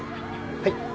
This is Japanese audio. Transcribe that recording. はい。